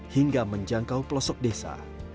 hingga menjangkau pelosok desa